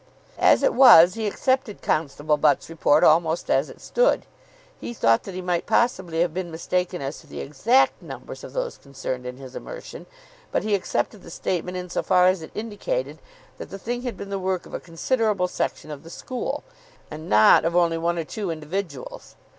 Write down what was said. As it was, he accepted Constable Butt's report almost as it stood. He thought that he might possibly have been mistaken as to the exact numbers of those concerned in his immersion; but he accepted the statement in so far as it indicated that the thing had been the work of a considerable section of the school, and not of only one or two individuals.